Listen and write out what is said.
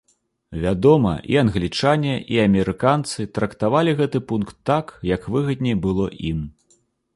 Вядома, і англічане і амерыканцы трактавалі гэты пункт так, як выгадней было ім.